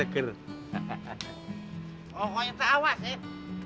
koknya tak awas ya